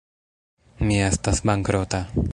Mi estas bankrota.